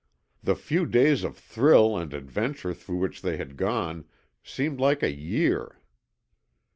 The few days of thrill and adventure through which they had gone seemed like a year.